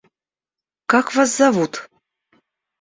Как вас зовут?